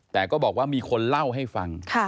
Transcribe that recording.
แต่ก็บอกว่ามีคนเล่าให้ฟัง